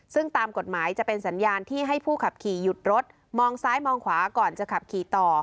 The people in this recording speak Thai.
ซึ่งตามกฎหมายจะเป็นสัญญาณที่ให้ผู้ขับขี่หยุดรถมองซ้ายมองขวาก่อนจะขับขี่ต่อ